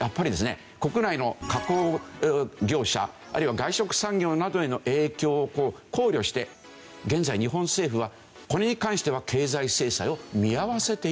国内の加工業者あるいは外食産業などへの影響を考慮して現在日本政府はこれに関しては経済制裁を見合わせていると。